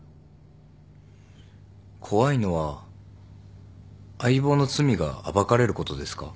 怖いのは相棒の罪が暴かれることですか？